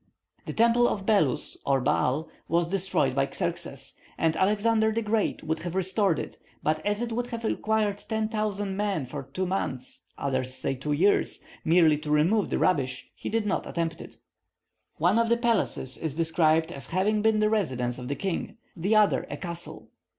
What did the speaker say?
The temple of Belus or Baal was destroyed by Xerxes, and Alexander the Great would have restored it; but as it would have required 10,000 men for two months (others say two years) merely to remove the rubbish, he did not attempt it. One of the palaces is described as having been the residence of the king, the other a castle.